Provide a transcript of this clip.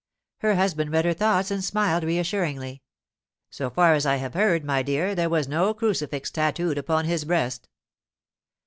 Her husband read her thoughts and smiled reassuringly. 'So far as I have heard, my dear, there was no crucifix tattooed upon his breast.